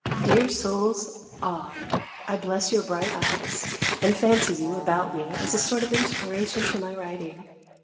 Dear souls all, I bless your bright eyes, and fancy you about me as a sort of inspiration to my writing.